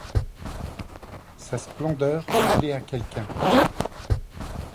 Sa splendeur déplaît à quelqu'un ;